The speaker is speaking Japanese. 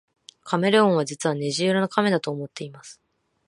カメレオンは実は虹色の亀だと思っています